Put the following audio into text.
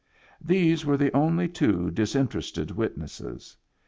These were the only two disinterested witnesses.